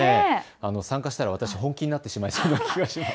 参加したら私、本気になってしまいそうです。